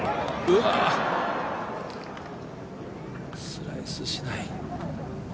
スライスしない。